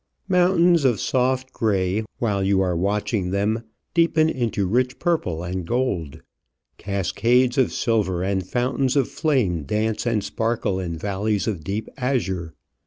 Mountains of soft grey, while you are watching them, deepen into rich purple and gold. Cascades of silver and fountains of flame dance and sparkle in valleys of deep azure.